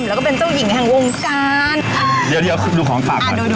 แล้วก็เป็นเจ้าหญิงทางวงการเดี๋ยวดูของฝากก่อน